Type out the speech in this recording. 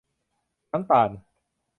น้ำตาล